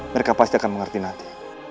mereka pasti akan mengerti nanti